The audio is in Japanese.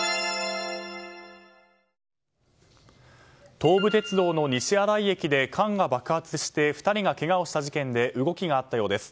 東武鉄道の西新井駅で缶が爆発して２人がけがをした事件で動きがあったようです。